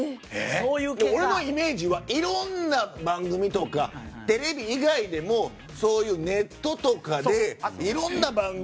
俺のイメージはいろんな番組とかテレビ以外でもそういう、ネットとかでいろんな番組。